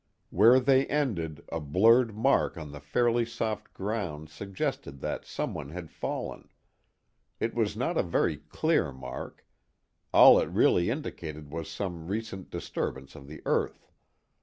Where they ended, a blurred mark on the fairly soft ground suggested that someone had fallen. It was not a very clear mark; all it really indicated was some recent disturbance of the earth.